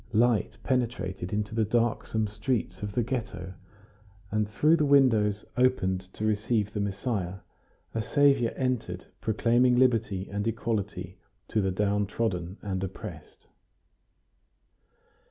Light penetrated into the darksome streets of the Ghetto, and through the windows opened to receive the Messiah, a saviour entered proclaiming liberty and equality to the downtrodden and oppressed.